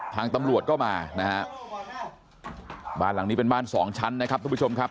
ทางตำรวจก็มานะฮะบ้านหลังนี้เป็นบ้านสองชั้นนะครับทุกผู้ชมครับ